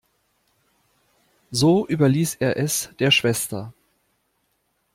So überließ er es der Schwester.